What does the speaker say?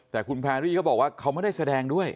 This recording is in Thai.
แต่คุณแพรรี่เขาบอกว่าเขาไม่ได้แสดงด้วย